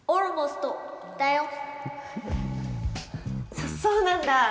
そ、そうなんだ。